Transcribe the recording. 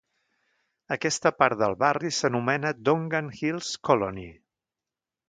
Aquesta part del barri s'anomena, Dongan Hills Colony.